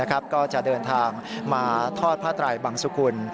ก็จะเดินทางมาทอดผ้าไตรบังสุกุล